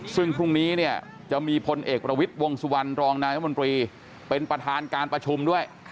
ซึ่งพรุ่งนี้เนี่ยจะมีพลเอกประวิทย์วงสุวรรณรองนายรัฐมนตรีเป็นประธานการประชุมด้วย